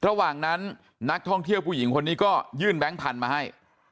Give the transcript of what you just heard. ระหว่างนั้นนักท่องเที่ยวผู้หญิงคนนี้ก็ยื่นแบงค์พันธุ์มาให้